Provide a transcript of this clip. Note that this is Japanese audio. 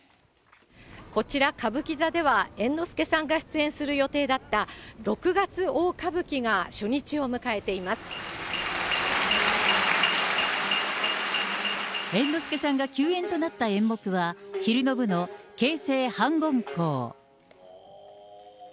こちら歌舞伎座では、猿之助さんが出演する予定だった六月大猿之助さんが休演となった演目は、昼の部の傾城反魂香。